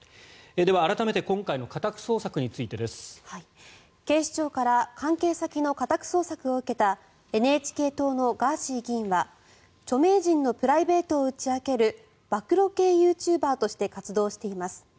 では、改めて今回の家宅捜索についてです。警視庁から関係先の家宅捜索を受けたＮＨＫ党のガーシー議員は著名人のプライベートを打ち明ける暴露系ユーチューバーとして活動しています。